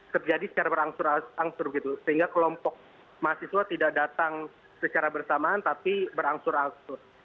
terjadi secara berangsur angsur gitu sehingga kelompok mahasiswa tidak datang secara bersamaan tapi berangsur angsur